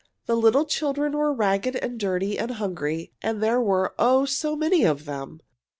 The little children were ragged and dirty and hungry, and there were, oh, so many of them!